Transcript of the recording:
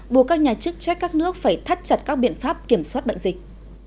buộc các nhà chức trách các nước phải thắt chặt các biện pháp kiểm soát bệnh dịch